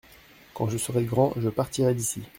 Quand je serais grand je partirai d’ici.